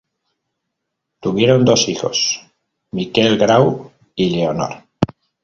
Tuvieron dos hijos, Miquel-Grau y Leonor.